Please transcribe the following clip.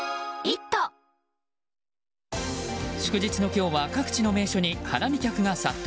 祝日の今日は各地の各所に花見客が殺到。